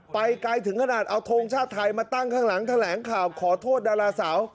ไปไกลถึงขนาดเอาทงชาติไทยมาตั้งข้างหลังแถลงข่าวขอโทษดาราสาว